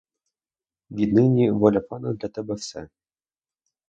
Віднині воля пана — для тебе все.